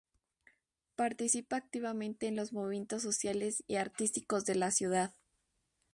Participa activamente en los movimientos sociales y artísticos de la ciudad.